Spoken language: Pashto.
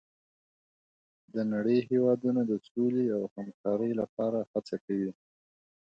د نړۍ هېوادونه د سولې او همکارۍ لپاره هڅه کوي.